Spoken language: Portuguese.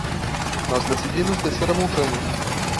Nós decidimos descer a montanha